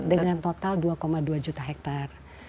dengan total dua dua juta hektare